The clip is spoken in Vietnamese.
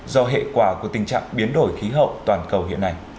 do hệ quả của tình trạng biến đổi khí hậu toàn cầu hiện nay